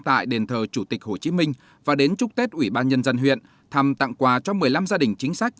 tại đền thờ chủ tịch hồ chí minh và đến chúc tết ủy ban nhân dân huyện thăm tặng quà cho một mươi năm gia đình chính sách